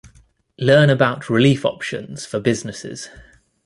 Learn about relief options for businesses.